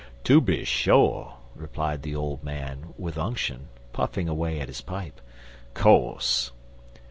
"Tooby sho," replied the old man, with unction, puffing away at his pipe. "Co'se.